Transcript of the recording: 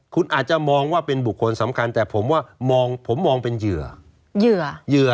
คุณอาจจะมองว่าเป็นบุคคลสำคัญแต่ผมว่ามองผมมองเป็นเหยื่อเหยื่อเหยื่อ